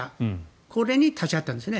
これに立ち会ったんですね。